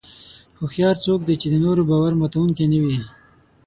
هوښیار څوک دی چې د نورو باور ماتوونکي نه وي.